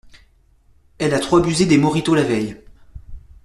Elle a trop abusé des mojitos la veille.